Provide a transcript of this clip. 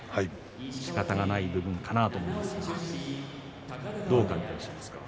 しかたがない部分かなと思いますがどう感じますか。